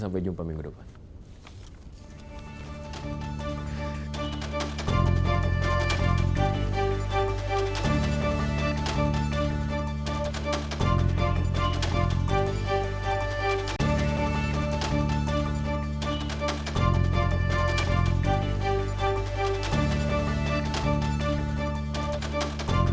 sampai jumpa minggu depan